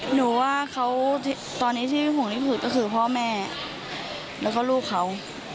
หนูว่าเขาตอนนี้ที่ห่วงที่สุดก็คือพ่อแม่แล้วก็ลูกเขา